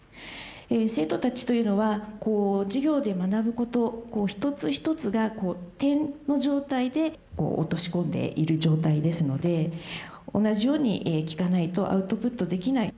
生徒たちというのはこう授業で学ぶこと一つ一つが点の状態で落とし込んでいる状態ですので同じように聞かないとアウトプットできない。